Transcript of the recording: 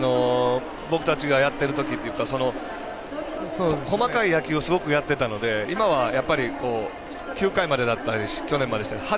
僕たちがやってるときというか細かい野球をすごくやっていたので今は、やっぱり９回までだったりして去年までは。